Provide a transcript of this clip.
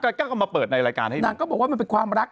ก็เอามาเปิดในรายการให้นางก็บอกว่ามันเป็นความรัก